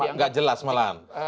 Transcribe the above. enggak jelas malam